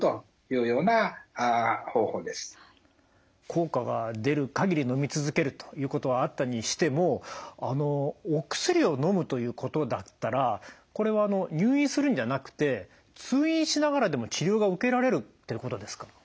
効果が出る限りのみ続けるということはあったにしてもあのお薬をのむということだったらこれは入院するんじゃなくて通院しながらでも治療が受けられるってことですか？